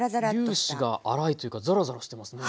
粒子が粗いというかザラザラしてますね。